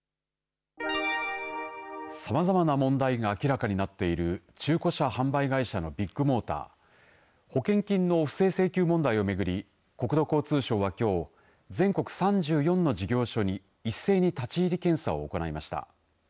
さまざまな問題が明らかになっている中古車販売会社のビッグモーター保険金の不正請求問題を巡り国土交通省は、きょう全国３４の事業所に一斉に立ち入り検査を行いました。